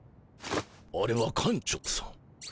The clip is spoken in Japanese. あれは館長さん。